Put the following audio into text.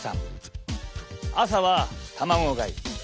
朝は卵がゆ